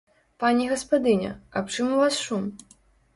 Пані гаспадыня, аб чым у вас шум?